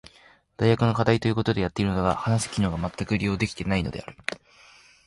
大学の課題と言うことでやっているのだが話す機能がまったく利用できていないのである。